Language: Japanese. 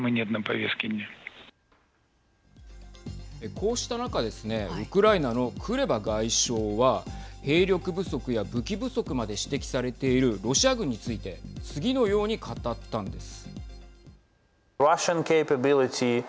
こうした中ですねウクライナのクレバ外相は兵力不足や武器不足まで指摘されているロシア軍について次のように語ったんです。